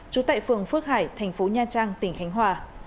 trú tại phường phước hải tp nha trang tp khánh hòa